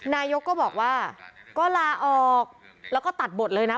นายกก็บอกว่าก็ลาออกแล้วก็ตัดบทเลยนะ